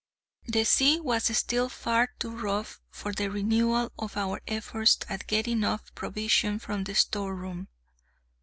The sea was still far too rough for the renewal of our efforts at getting up provision from the storeroom.